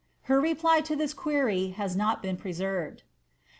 ''' Her reply to this query has not been preserved.